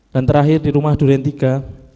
dan terakhir di rumah durian tiga